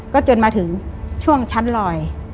ก็จนมาถึงช่วงชั้นลอย